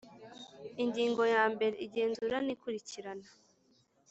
Ingingo ya mbere Igenzura n ikurikirana